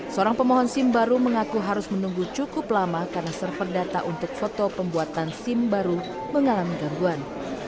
seorang pemohon sim baru mengaku harus menunggu cukup lama karena server data untuk foto pembuatan sim baru mengalami gangguan